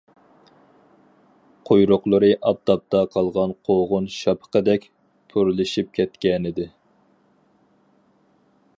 قۇيرۇقلىرى ئاپتاپتا قالغان قوغۇن شاپىقىدەك پۈرلىشىپ كەتكەنىدى.